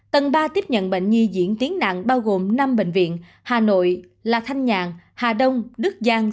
tầng ba tiếp nhận bệnh nhi diễn tiến nặng bao gồm năm bệnh viện hà nội là thanh nhàn hà đông đức giang